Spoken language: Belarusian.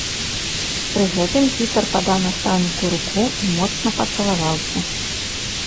Пры гэтым пісар падаў настаўніку руку і моцна пацалаваўся.